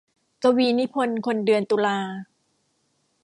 กวีนิพนธ์คนเดือนตุลา